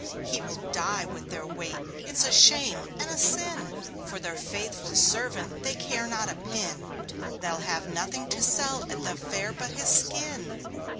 He will die with their weight: it's a shame and a sin. For their faithful servant they care not a pin. They'll have nothing to sell at the fair but his skin."